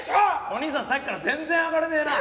お兄さんさっきから全然上がれねえな！